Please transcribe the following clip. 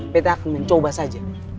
betta akan mencoba saja